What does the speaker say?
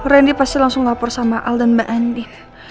ren di pasti langsung lapor sama al dan mbak andin